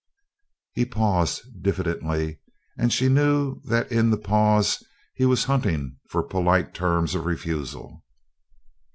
He paused, diffidently, and she knew that in the pause he was hunting for polite terms of refusal.